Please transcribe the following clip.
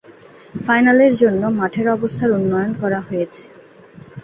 ফাইনালের জন্য মাঠের অবস্থার উন্নয়ন করা হয়েছে।